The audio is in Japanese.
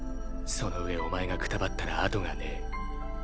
その上お前がくたばったら後がねぇ。